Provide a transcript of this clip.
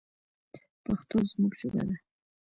پښتو زموږ ژبه ده